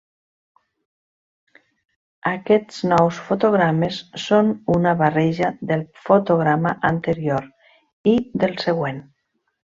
Aquests nous fotogrames són una barreja del fotograma anterior i del següent.